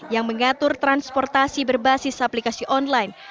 yang mengatur transportasi berbasis aplikasi online